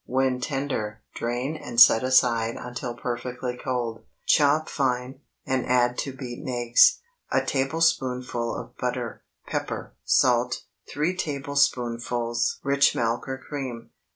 When tender, drain and set aside until perfectly cold. Chop fine, and add two beaten eggs, a tablespoonful of butter, pepper, salt, three tablespoonfuls rich milk or cream.